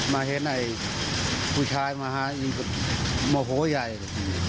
มาเห็นไอ้ผู้ชายมาหาอีกโมโภใหญ่กัน